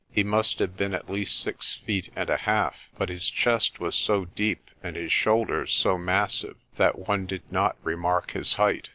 He must have been at least six feet and a half, but his chest was so deep and his shoulders so massive that one did not remark his height.